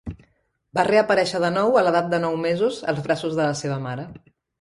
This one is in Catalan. Va reaparèixer de nou a l'edat de nou mesos als braços de la seva mare.